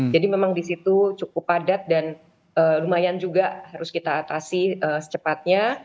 jadi memang disitu cukup padat dan lumayan juga harus kita atasi secepatnya